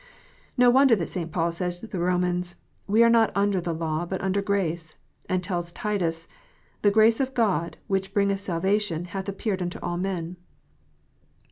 Xo wonder that St. Paul says to the Romans, " We are not under the law, but under grace ;" and tells Titus, " The grace of God, which bringeth salvation, hath appeared unto all men."